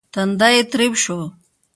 تندی يې تريو شو.